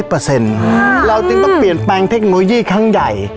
เราจึงต้องเปลี่ยนแปลงเทคโนโลยีครั้งใหญ่